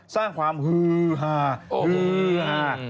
สร้างความฮือฮาฮือฮา